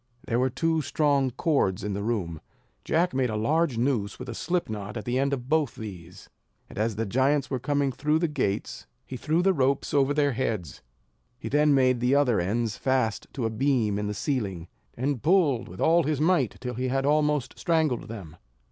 There were two strong cords in the room: Jack made a large noose with a slip knot at the ends of both these, and as the giants were coming through the gates, he threw the ropes over their heads. He then made the other ends fast to a beam in the ceiling, and pulled with all his might till he had almost strangled them.